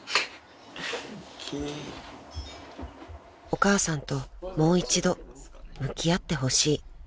［お母さんともう一度向き合ってほしい］